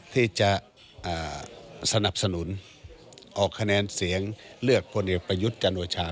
ที่จะสนับสนุนออกคะแนนเสียงเลือกพลเอกประยุทธ์จันโอชา